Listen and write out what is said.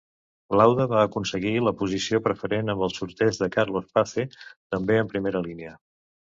Lauda va aconseguir la posició preferent amb el Surtees de Carlos Pace també en primera línia.